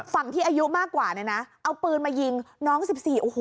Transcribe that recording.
ฝั่งที่อายุมากกว่าเนี่ยนะเอาปืนมายิงน้องสิบสี่โอ้โห